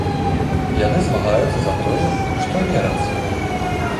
Яны змагаюцца за тое, у што вераць.